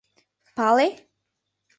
— Пале?